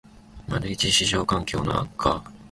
① 市場環境の悪化